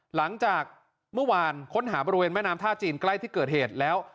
หลังจากเมื่อวานค้นหาบริเวณแม่น้ำท่าจีนใกล้ที่เกิดเหตุแล้ว